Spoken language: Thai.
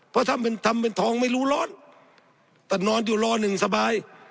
เพราะถ้าทำเป็นทองไม่รู้ร้อนแต่นอนอยู่รอหนึ่งสบาย